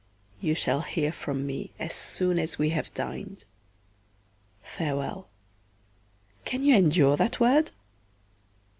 You shall hear from me as soon as we have dined. Farewell; can you endure that word?